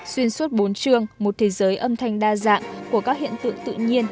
xuyên suốt bốn trường một thế giới âm thanh đa dạng của các hiện tượng tự nhiên